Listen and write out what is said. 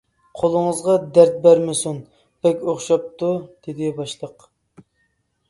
-قولىڭىزغا دەرد بەرمىسۇن، بەك ئوخشاپتۇ، -دېدى باشلىق.